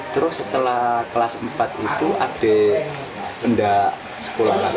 terus setelah kelas empat itu adik tidak sekolah lagi